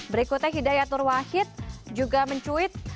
berikutnya hidayatul wahid juga mencuit